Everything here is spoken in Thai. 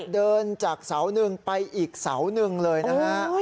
เดินจากเสาหนึ่งไปอีกเสาหนึ่งเลยนะฮะ